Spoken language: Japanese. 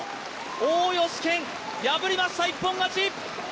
大吉賢、破りました、一本勝ち！